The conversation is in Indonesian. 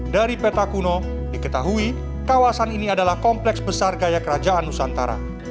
dari peta kuno diketahui kawasan ini adalah kompleks besar gaya kerajaan nusantara